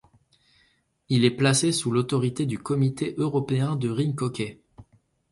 Il est placé sous l'autorité du Comité européen de rink hockey.